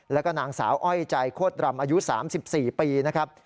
แล้วก็นางสาวอ้อยใจโคตรรำอายุ๓๔ปีนะครับ